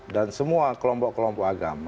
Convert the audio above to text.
dan semua kelompok kelompok agama